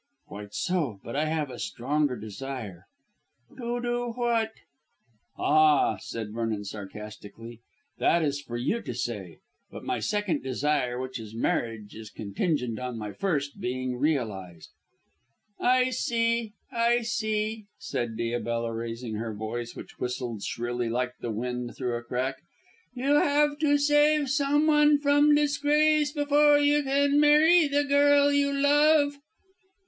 "Quite so; but I have a stronger desire." "To do what?" "Ah!" said Vernon sarcastically, "that is for you to say. But my second desire, which is marriage, is contingent on my first being realised." "I see, I see," said Diabella raising her voice, which whistled shrilly like the wind through a crack. "You have to save someone from disgrace before you can marry the girl you love?"